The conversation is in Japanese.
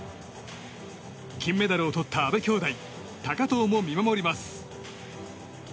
金メダルをとった阿部兄妹高藤も見守ります。